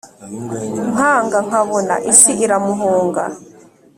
nkanga nkabona isi iramhunga